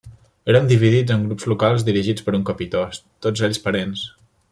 Eren dividits en grups locals dirigits per un capitost, tots ells parents.